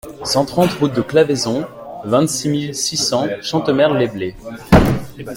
cent trente route de Claveyson, vingt-six mille six cents Chantemerle-les-Blés